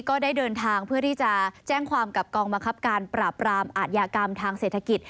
ก็ได้เดินทางเพื่อที่จะแจ้งความกับกองบังคับการปราบรามอาทยากรรมทางเศรษฐกิจ